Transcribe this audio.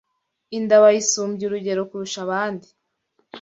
Inda bayisumbya urugero kurusha abandi